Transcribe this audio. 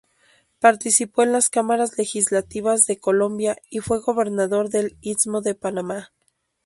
Participó en las cámaras legislativas de Colombia y fue gobernador del Istmo de Panamá.